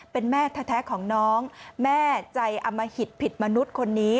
เป็นแม่แท้ของน้องแม่ใจอมหิตผิดมนุษย์คนนี้